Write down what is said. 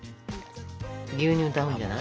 牛乳と合うんじゃない？